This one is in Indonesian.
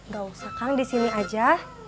gak usah kak disini aja